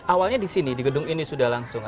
awalnya di sini di gedung ini sudah langsung